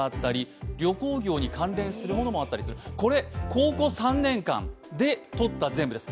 高校３年間でとった全部です。